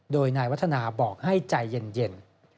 โดยนายวัฒนาบอกให้ใจเย็น